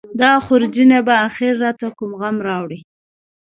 دا خورجینه به اخر راته کوم غم راوړي.